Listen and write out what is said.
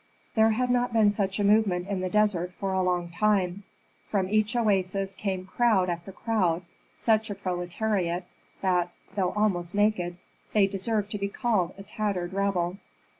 There had not been such a movement in the desert for a long time. From each oasis came crowd after crowd, such a proletariat, that, though almost naked, they deserved to be called a tattered rabble.